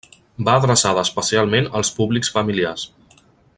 Va adreçada especialment als públics familiars.